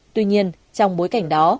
tuy nhiên trong bối cảnh đó